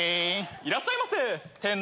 いらっしゃいませ店内